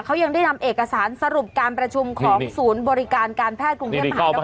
เขายังได้นำเอกสารสรุปการประชุมของศูนย์บริการการแพทย์กรุงเทศมหาวิทยาลักษณะก่อน